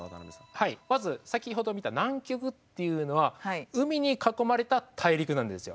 はいまず先ほど見た南極というのは海に囲まれた大陸なんですよ。